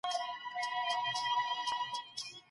حضوري ټولګي زده کوونکي د ټولګي نظم په دوامداره توګه ساتي.